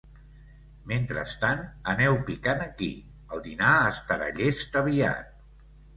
Mentrestant, aneu picant aquí: el dinar estarà llest aviat.